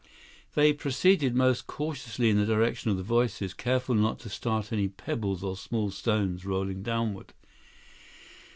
128 They proceeded most cautiously in the direction of the voices, careful not to start any pebbles or small stones rolling downward.